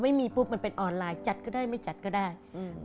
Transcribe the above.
ไม่มีปุ๊บมันเป็นออนไลน์จัดก็ได้ไม่จัดก็ได้อืม